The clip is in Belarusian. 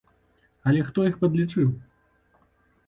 Але хто іх падлічыў?